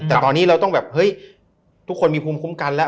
แต่ตอนนี้เราต้องแบบเฮ้ยทุกคนมีภูมิคุ้มกันแล้ว